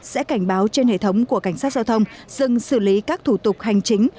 sẽ cảnh báo trên hệ thống của cảnh sát giao thông dừng xử lý các thủ tục hành chính